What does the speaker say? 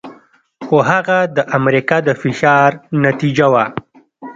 خو هغه د امریکا د فشار نتیجه وه.